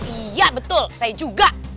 iya betul saya juga